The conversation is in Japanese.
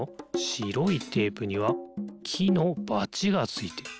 しろいテープにはきのバチがついてる。